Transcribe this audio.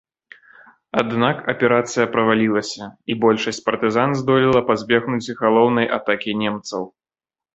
Аднак аперацыя правалілася і большасць партызан здолела пазбегнуць галоўнай атакі немцаў.